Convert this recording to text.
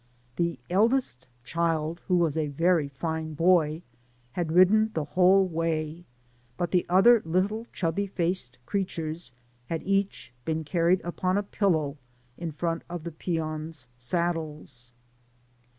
The eldest child, who was a very fine boy, had ridden the whole way, but the other little chubby faced creatures bad each been carried upon a pillow in front of the peons^ saddles.